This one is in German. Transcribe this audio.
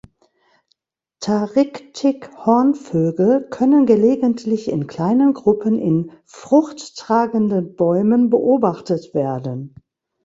Tariktik-Hornvögel können gelegentlich in kleinen Gruppen in fruchttragenden Bäumen beobachtet werden.